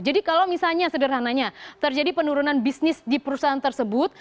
jadi kalau misalnya sederhananya terjadi penurunan bisnis di perusahaan tersebut